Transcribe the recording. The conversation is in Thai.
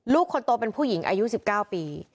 คนโตเป็นผู้หญิงอายุ๑๙ปี